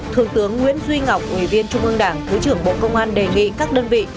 thượng tướng nguyễn duy ngọc ủy viên trung ương đảng thứ trưởng bộ công an đề nghị các đơn vị